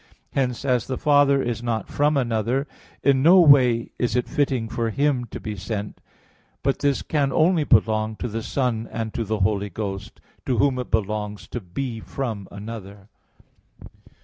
Hence, as the Father is not from another, in no way is it fitting for Him to be sent; but this can only belong to the Son and to the Holy Ghost, to Whom it belongs to be from another.